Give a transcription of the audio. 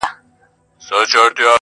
زما له لاسه په عذاب ټول انسانان دي.!